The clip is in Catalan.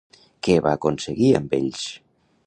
Què va aconseguir amb ells?